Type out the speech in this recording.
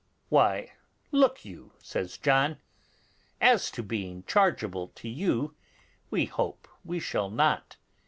'Why, look you,' says John, 'as to being chargeable to you, we hope we shall not.